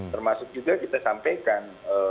termasuk juga kita sampaikan